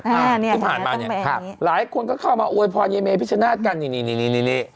ที่ผ่านมานี่ครับหลายคนก็เข้ามาอวยพรเยเมพิชนาศกันนี่